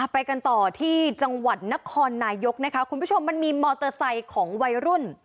ไปกันต่อที่จังหวัดนครนายกนะคะคุณผู้ชมมันมีมอเตอร์ไซค์ของวัยรุ่น